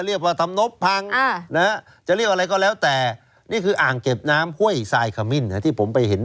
จะเรียกว่าทำนมพังนะครับจะเรียกว่าอะไรต้องแล้วแต่